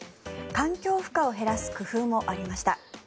環境負荷を減らす工夫もありました。